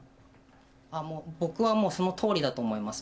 僕はもうそのとおりだと思います。